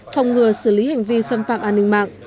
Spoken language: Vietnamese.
phòng ngừa xử lý hành vi xâm phạm an ninh mạng